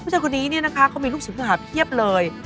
ผู้ชายคนนี้เนี่ยนะคะเขามีลูกศิษย์ลูกหาเพียบเลย